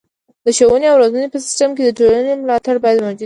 د ښوونې او روزنې په سیستم کې د ټولنې ملاتړ باید موجود وي.